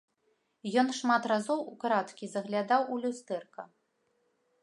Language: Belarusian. Ён шмат разоў украдкі заглядаў у люстэрка.